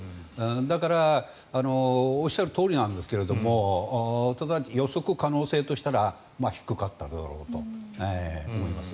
だからおっしゃるとおりなんですがただ、予測可能性としたら低かっただろうと思います。